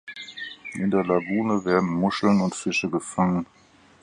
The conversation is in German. In der Lagune werden Muscheln und Fische gefangen.